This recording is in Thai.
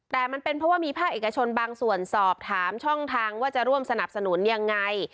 แต่มันเป็นเพราะว่ามีภาคเอกชนบางส่วนสอบถามช่องทางว่าจะร่วมสนับสนุนยังไง